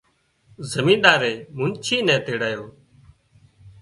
زمينۮارئي منچي نين تيڙايو